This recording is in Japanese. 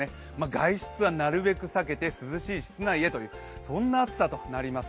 外出はなるべく避けて、涼しい室内で、そんな暑さとなります。